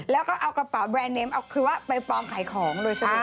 แล้วก็เอากระเป๋าแบรนดเนมเอาคือว่าไปปลอมขายของเลยใช่ไหม